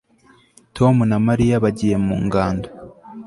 Tom na Mariya bagiye mu ngando